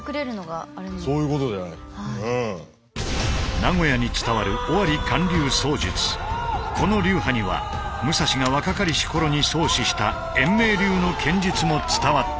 名古屋に伝わるこの流派には武蔵が若かりし頃に創始した円明流の剣術も伝わっている。